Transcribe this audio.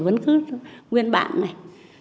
vẫn cứ nguyên bản này